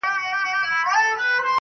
سیلۍ نامردي ورانوي آباد کورونه-